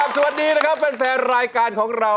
สวัสดีนะครับแฟนรายการของเรา